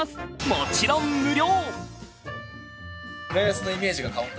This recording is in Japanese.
もちろん無料。